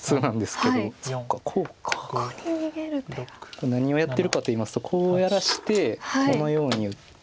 これ何をやってるかといいますとこうやらせてこのように打って。